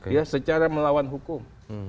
ya secara melawan hukum